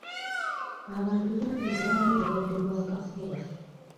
Abantu bangi tebamanyi bulwadde bwa kafuba.